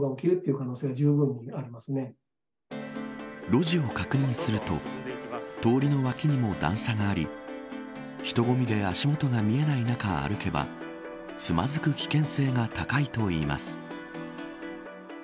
路地を確認すると通りの脇にも段差があり人混みで足元が見えない中歩けばつまずく危険性が高いといいます。